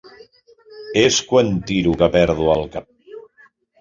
És quan tiro que perdo el cap.